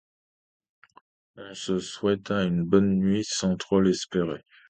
On se souhaita une bonne nuit sans trop l’espérer.